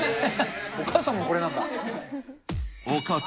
お母さんもこれなんだ。